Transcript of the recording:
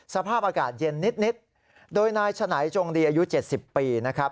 สภาพอากาศเย็นนิดโดยนายฉนัยจงดีอายุ๗๐ปีนะครับ